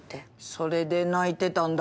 それで泣いてたんだ。